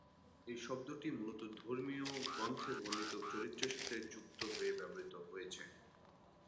এই শব্দটি মূলত ধর্মীয় গ্রন্থে বর্ণিত চরিত্রের সাথে যুক্ত হয়ে ব্যবহৃত হয়েছে।